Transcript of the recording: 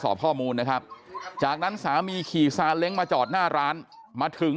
สอบข้อมูลนะครับจากนั้นสามีขี่ซาเล้งมาจอดหน้าร้านมาถึง